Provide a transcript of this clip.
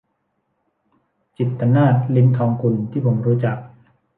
จิตตนาถ ลิ้มทองกุล ที่ผมรู้จัก